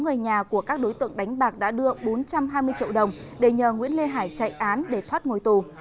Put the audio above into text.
người nhà của các đối tượng đánh bạc đã đưa bốn trăm hai mươi triệu đồng để nhờ nguyễn lê hải chạy án để thoát ngồi tù